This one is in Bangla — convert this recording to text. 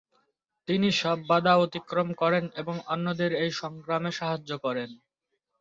তিনি সব বাধা অতিক্রম করেন এবং অন্যদের এই সংগ্রামে সাহায্য করেন।